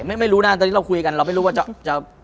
ไม่รู้นะตอนนี้เราคุยกันเราไม่รู้ว่าจะ